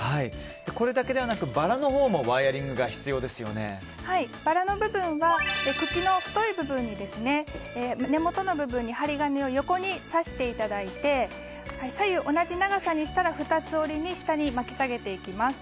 これだけではなくてバラのほうもバラの部分は茎の太い部分に根元の部分に針金を横に挿していただいて左右同じ長さにしたら二つ折りに下に巻き下げていきます。